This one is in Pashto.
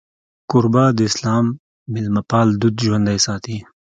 کوربه د اسلام میلمهپال دود ژوندی ساتي.